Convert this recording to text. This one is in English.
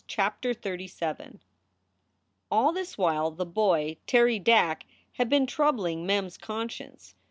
CHAPTER XXXVII ALL this while the boy, Terry Dack, had been troubling Mem s conscience.